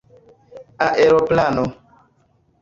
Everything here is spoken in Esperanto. aeroplano